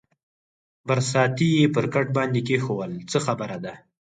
برساتۍ یې پر کټ باندې کېښوول، څه خبره ده؟